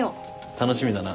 楽しみだなぁ。